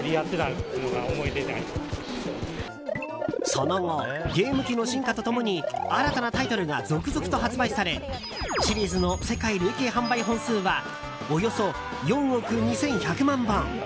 その後、ゲーム機の進化と共に新たなタイトルが続々と発売されシリーズの世界累計販売本数はおよそ４億２１００万本。